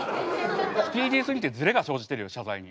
スピーディーすぎてズレが生じてるよ謝罪に。